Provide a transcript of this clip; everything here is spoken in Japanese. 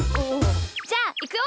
じゃあいくよ！